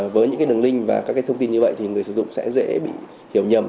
với những đường link và các thông tin như vậy thì người dùng sẽ dễ bị hiểu nhầm